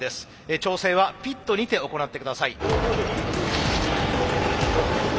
調整はピットにて行ってください。